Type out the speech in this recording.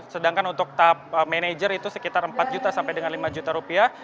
sedangkan untuk tahap manajer itu sekitar empat juta sampai dengan lima juta rupiah